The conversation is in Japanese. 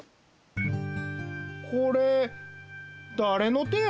これだれのてや？